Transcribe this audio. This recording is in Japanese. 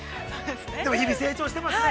でも日々成長していますね。